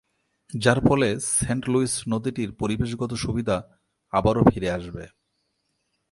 যার ফলে Saint Louis নদীটির পরিবেশগত সুবিধা আবারও ফিরে আসবে।